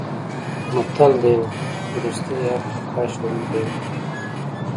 متل دی: ورستیه عقله کاش وړومبی وی.